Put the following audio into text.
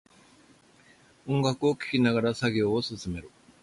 音楽を聴きながら作業を進める